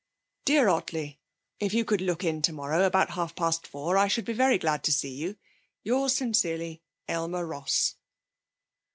'"DEAR OTTLEY, If you could look in tomorrow about half past four, I should be very glad to see you. Yours sincerely, AYLMER ROSS."